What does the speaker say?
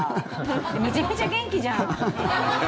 めちゃめちゃ元気じゃん！